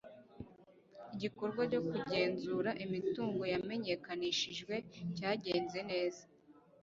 igikorwa cyo kugenzura imitungo yamenyekanishijwe cyagenze neza